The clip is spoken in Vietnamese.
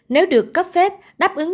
nếu được cấp phép đáp ứng